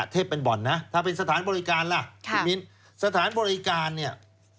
เทพเป็นบ่อนนะถ้าเป็นสถานบริการล่ะคุณมิ้นสถานบริการเนี่ย